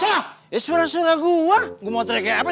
eh suara suara gue gue mau teriak kayak apa